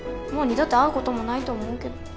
もう二度と会うこともないと思うけど。